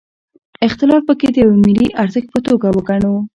اختلاف پکې د یوه ملي ارزښت په توګه وګڼو.